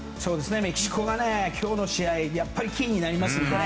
メキシコが今日の試合やっぱりキーになりますんでね